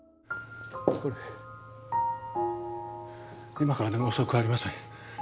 今からでも遅くありません。